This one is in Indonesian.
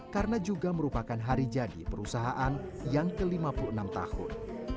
karena juga merupakan hari jadi perusahaan yang ke lima puluh enam tahun